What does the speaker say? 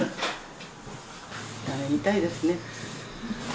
だめみたいですね。